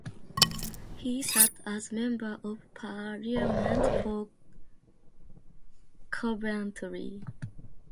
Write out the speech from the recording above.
He sat as Member of Parliament for Coventry.